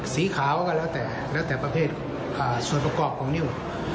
สีขาวก็แล้วแต่แล้วแต่ประเภทส่วนประกอบของนิ้ว